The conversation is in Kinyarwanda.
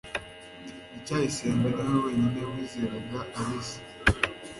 ndacyayisenga niwe wenyine wizeraga alice